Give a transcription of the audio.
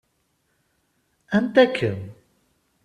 Anta-kem?